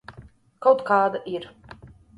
Kaut kāda ir.